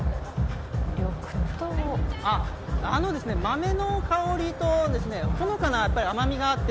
あっ、豆の香りとほのかな甘みがあって